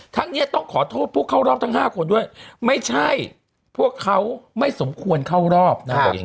ทั้งนี้ต้องขอโทษผู้เข้ารอบทั้ง๕คนด้วยไม่ใช่พวกเขาไม่สมควรเข้ารอบนะครับ